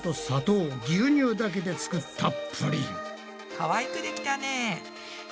かわいくできたね。